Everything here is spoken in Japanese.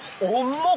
重っ！